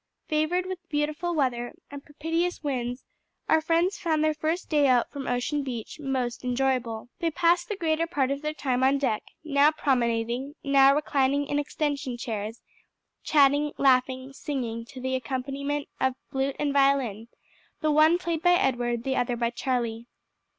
Favored with beautiful weather and propitious winds, our friends found their first day out from Ocean Beach most enjoyable. They passed the greater part of their time on deck, now promenading, now reclining in extension chairs, chatting, laughing, singing to the accompaniment of flute and violin; the one played by Edward, the other by Charlie.